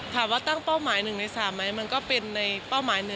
ตั้งเป้าหมาย๑ใน๓ไหมมันก็เป็นในเป้าหมาย๑